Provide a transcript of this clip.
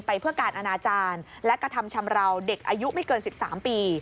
เพื่อการอนาจารย์และกระทำชำราวเด็กอายุไม่เกิน๑๓ปี